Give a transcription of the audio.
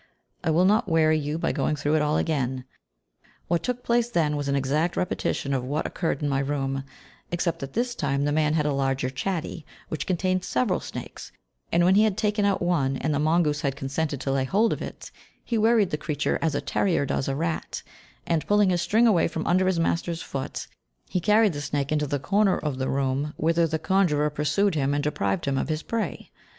I will not weary you by going through it all again. What took place then was an exact repetition of what occurred in my room, except that this time the man had a larger chatty, which contained several snakes, and when he had taken out one, and the mongoose had consented to lay hold of it, he worried the creature as a terrier does a rat, and, pulling his string away from under his master's foot, he carried the snake into the corner of the room, whither the conjurer pursued him and deprived him of his prey.